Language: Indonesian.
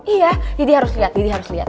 iya didi harus liat didi harus liat